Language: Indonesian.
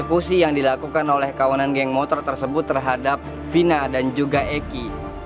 eksekusi yang dilakukan oleh kawanan geng motor tersebut terhadap vina dan juga eki